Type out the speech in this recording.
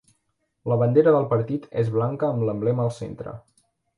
La bandera del partit és blanca amb l'emblema al centre.